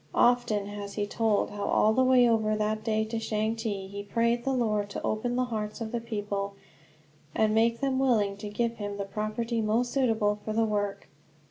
Often has he told how, all the way over that day to Changte, he prayed the Lord to open the hearts of the people, and make them willing to give him the property most suitable for the work.